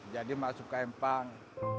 jadi masuk ke empang